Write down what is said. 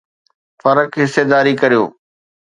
فرق حصيداري ڪريو